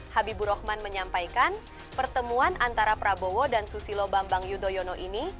habibur rahman menyampaikan pertemuan antara prabowo dan susilo bambang yudhoyono ini